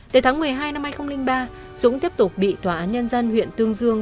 từ tháng một mươi hai năm hai nghìn ba dũng tiếp tục bị tòa án nhân dân huyện tương dương